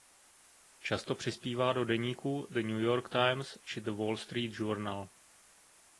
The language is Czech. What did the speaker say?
Často přispívá do deníků The New York Times či The Wall Street Journal.